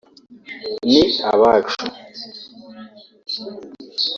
ni abacu